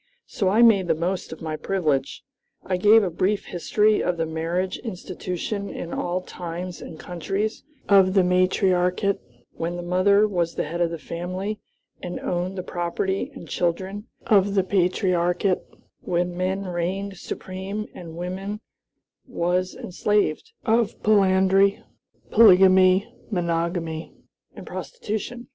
So I made the most of my privilege. I gave a brief history of the marriage institution in all times and countries, of the matriarchate, when the mother was the head of the family and owned the property and children; of the patriarchate, when man reigned supreme and woman was enslaved; of polyandry, polygamy, monogamy, and prostitution.